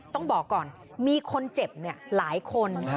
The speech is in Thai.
ต้องบอกก่อนมีคนเจ็บหลายคน